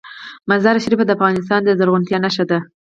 مزارشریف د افغانستان د زرغونتیا نښه ده.